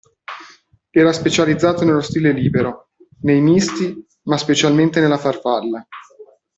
Era specializzato nello stile libero, nei misti, ma specialmente nella farfalla.